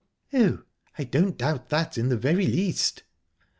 "Oh, I don't doubt that in the very least."